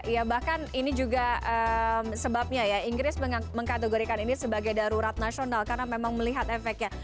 ya bahkan ini juga sebabnya ya inggris mengkategorikan ini sebagai darurat nasional karena memang melihat efeknya